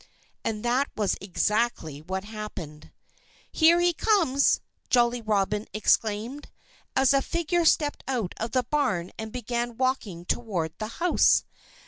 And that was exactly what happened. "Here he comes!" Jolly Robin exclaimed, as a figure stepped out of the barn and began walking toward the house.